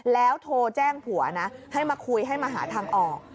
แล้วโทรแจ้งผัวนะให้มาคุยให้มาหาทางออก